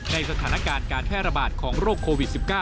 ในสถานการณ์การแพร่ระบาดของโรคโควิด๑๙